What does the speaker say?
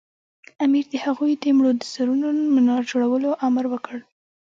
امیر د هغوی د مړو د سرونو منار جوړولو امر وکړ.